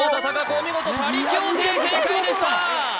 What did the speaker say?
お見事パリ協定正解でした